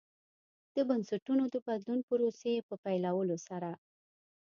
د بنسټونو د بدلون پروسې په پیلولو سره.